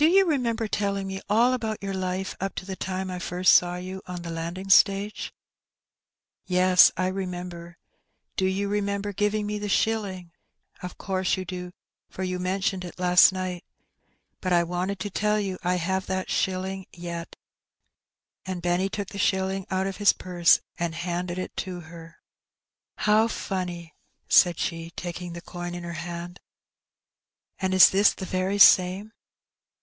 Do you remember telling me all about your life up to the time I first saw you on the landing stage ?"," Yes, I remember. Do you remember giving me the shilling? Of course you do, for you mentioned it last night, but I wanted to tell you I have that shilling yet." And Benny took the shilling out of his purse and handed it to her. " How funny I " said she, taking the coin in her hand ;" and is this the very same